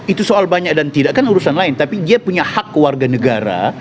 itu soal banyak dan tidak kan urusan lain tapi dia punya hak warga negara